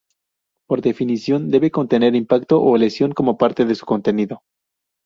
Por definición debe contener impacto o lesión como parte de su contenido.